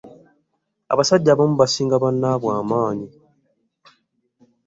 Abasajja abamu basinga bannabwe amaanyi .